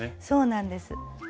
そうなんです。